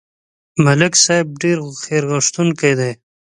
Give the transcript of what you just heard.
ملک صاحب ډېر خیرغوښتونکی دی.